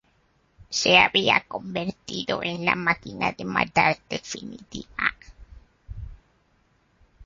Se había convertido en la máquina de matar definitiva.